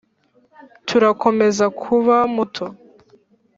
turakomeza kuba muto